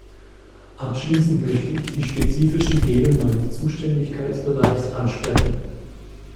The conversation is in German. Abschließend möchte ich die spezifischen Themen meines Zuständigkeitsbereichs ansprechen.